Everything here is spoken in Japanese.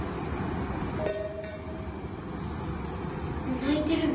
泣いてるの？